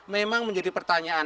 memang menjadi pertanyaan